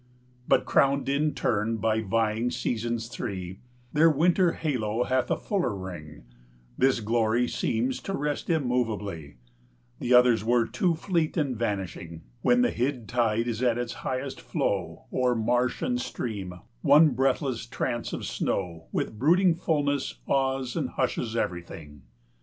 But crowned in turn by vying seasons three, Their winter halo hath a fuller ring; 170 This glory seems to rest immovably, The others were too fleet and vanishing; When the hid tide is at its highest flow, O'er marsh and stream one breathless trance of snow 174 With brooding fulness awes and hushes everything.